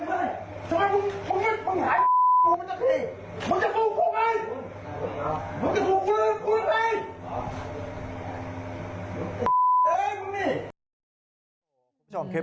ไอ้พวง